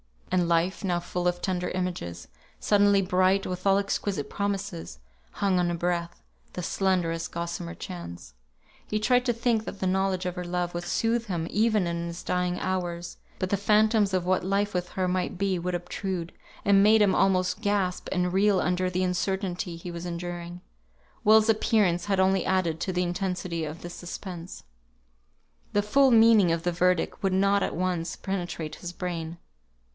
And Life, now full of tender images, suddenly bright with all exquisite promises, hung on a breath, the slenderest gossamer chance. He tried to think that the knowledge of her love would soothe him even in his dying hours; but the phantoms of what life with her might be, would obtrude, and made him almost gasp and reel under the uncertainty he was enduring. Will's appearance had only added to the intensity of this suspense. The full meaning of the verdict could not at once penetrate his brain.